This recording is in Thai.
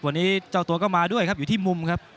วันนี้เจ้าตัวก็มาด้วยครับอยู่ที่มุมครับ